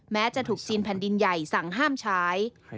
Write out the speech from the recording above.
แม้จะถูกซีนแผ่นดินใหญ่สั่งห้ามใช้